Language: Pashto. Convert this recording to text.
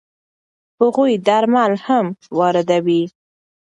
هغوی درمل هم واردوي.